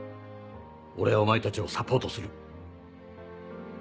俺はお前たちをサポートする。